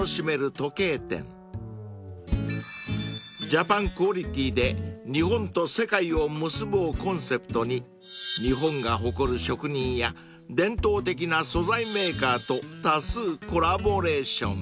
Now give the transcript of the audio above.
［「ジャパンクオリティーで日本と世界を結ぶ」をコンセプトに日本が誇る職人や伝統的な素材メーカーと多数コラボレーション］